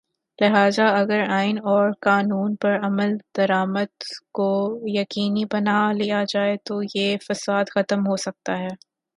لہذا اگر آئین اور قانون پر عمل درآمد کو یقینی بنا لیا جائے تویہ فساد ختم ہو سکتا ہے۔